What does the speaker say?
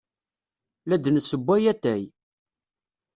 La d-nessewway atay.